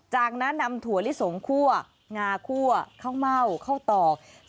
จากนั้นนำถั่วลิสงคั่วงาคั่วข้าวเม่าข้าวตอก